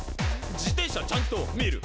「自転車ちゃんと見る！